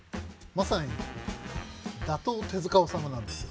まさに打倒・手治虫なんですよ。